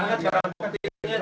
ya terima kasih